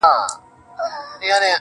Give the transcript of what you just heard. څنگه بيلتون كي گراني شعر وليكم.